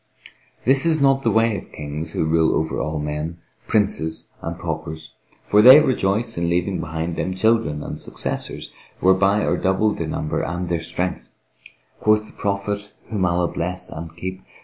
This is not the way of Kings who rule over all men, princes. and paupers; for they rejoice in leaving behind them children and successors whereby are doubled their number and their strength. Quoth the Prophet (whom Allah bless and keep!)